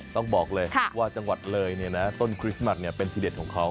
ต้องบอกเลยว่าจังหวัดเลยต้นคริสต์มัสเป็นที่เด็ดของเขา